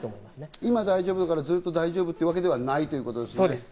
今、大丈夫だからずっと大丈夫というわけではないということですね。